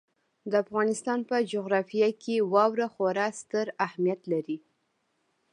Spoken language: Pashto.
د افغانستان په جغرافیه کې واوره خورا ستر اهمیت لري.